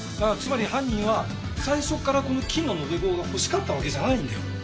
つまり犯人は最初からこの金の延べ棒が欲しかったわけじゃないんだよ。